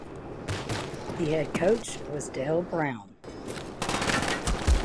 The head coach was Dale Brown.